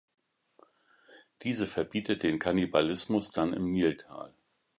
Diese verbietet den Kannibalismus dann im Niltal.